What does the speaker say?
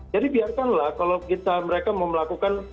jadi biarkanlah kalau kita mereka mau melakukan